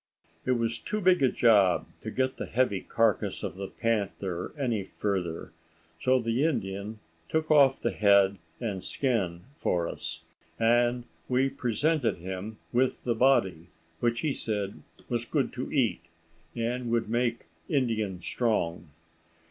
It was too big a job to get the heavy carcass of the panther any further, so the Indian took off the head and skin for us, and we presented him with the body, which he said was good to eat, and would "make Indian strong."